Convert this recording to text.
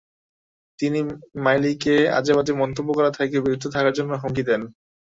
তিনি মাইলিকে আজেবাজে মন্তব্য করা থেকে বিরত থাকার জন্য হুমকিও দেন।